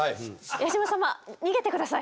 八嶋様逃げて下さい。